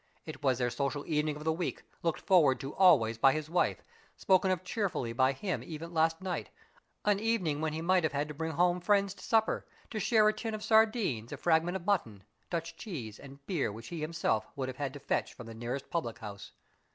It was their social evening of the week, looked forward to always by his wife, spoken of cheerfully by him even last night, an evening when he might have had to bring home friends to supper, to share a tin of sardines, a fragment of mutton, Dutch cheese, and beer which he himself would have had to fetch from the nearest public house.